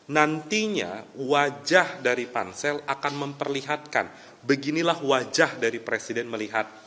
nantinya wajah dari pansel akan memperlihatkan beginilah wajah dari presiden melihat